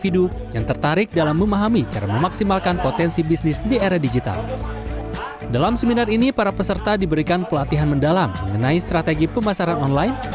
dalam seminar ini para peserta diberikan pelatihan mendalam mengenai strategi pemasaran online